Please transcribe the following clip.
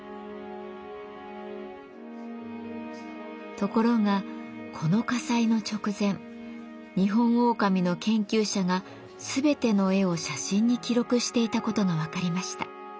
ところがこの火災の直前ニホンオオカミの研究者が全ての絵を写真に記録していたことが分かりました。